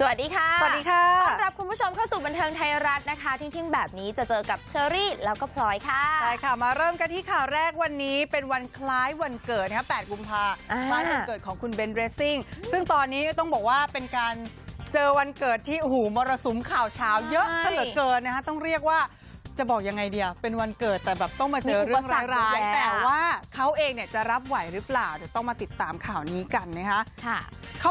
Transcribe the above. สวัสดีค่ะสวัสดีค่ะสวัสดีค่ะสวัสดีค่ะสวัสดีค่ะสวัสดีค่ะสวัสดีค่ะสวัสดีค่ะสวัสดีค่ะสวัสดีค่ะสวัสดีค่ะสวัสดีค่ะสวัสดีค่ะสวัสดีค่ะสวัสดีค่ะสวัสดีค่ะสวัสดีค่ะสวัสดีค่ะสวัสดีค่ะสวัสดีค่ะสวัสดีค่ะสวัสดีค่ะสวั